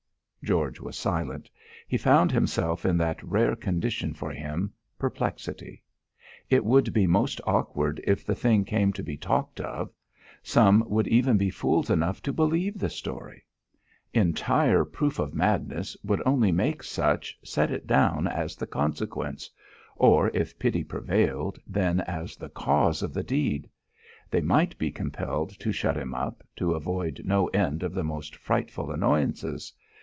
George was silent. He found himself in that rare condition for him perplexity. It would be most awkward if the thing came to be talked of! Some would even be fools enough to believe the story! Entire proof of madness would only make such set it down as the consequence or, if pity prevailed, then as the cause of the deed. They might be compelled to shut him up, to avoid no end of the most frightful annoyances.